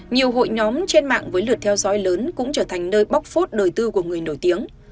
nhiều hội nhóm trên mạng với lượt theo dõi lớn cũng trở thành nơi bóc phốt đời tư của người nổi tiếng